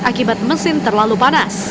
akibat mesin terlalu panas